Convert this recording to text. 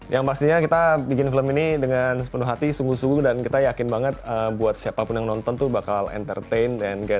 yang pastinya kita bikin film ini dengan sepenuh hati sungguh sungguh dan kita yakin banget buat siapapun yang nonton tuh bakal entertain and gas